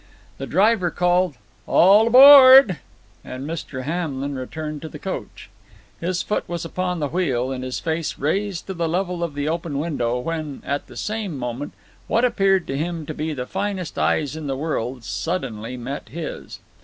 The driver called "All aboard!" and Mr. Hamlin returned to the coach. His foot was upon the wheel, and his face raised to the level of the open window, when, at the same moment, what appeared to him to be the finest eyes in the world suddenly met his.